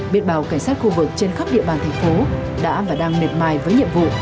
biết bào cảnh sát khu vực trên khắp địa bàn thành phố đã và đang miệt mài với nhiệm vụ